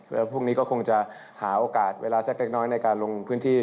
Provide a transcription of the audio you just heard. แล้วพรุ่งนี้ก็คงจะหาโอกาสเวลาสักเล็กน้อยในการลงพื้นที่